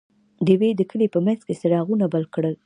ډیوې د کلي په منځ کې څراغونه بل کړل.